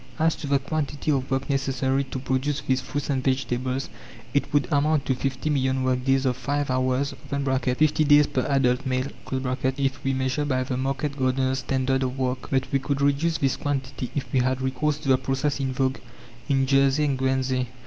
As to the quantity of work necessary to produce these fruits and vegetables, it would amount to fifty million work days of five hours (50 days per adult male), if we measure by the market gardeners' standard of work. But we could reduce this quantity if we had recourse to the process in vogue in Jersey and Guernsey.